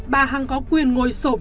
bà hằng có quyền ngồi sổm